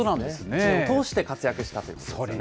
１年を通して活躍したということなんですね。